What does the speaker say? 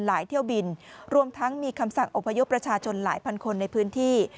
เที่ยวบินรวมทั้งมีคำสั่งอพยพประชาชนหลายพันคนในพื้นที่